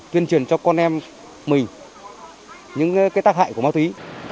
tuyên truyền cho con em mình những tác hại của ma túy